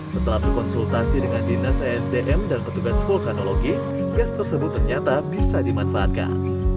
setelah berkonsultasi dengan dinas esdm dan petugas vulkanologi gas tersebut ternyata bisa dimanfaatkan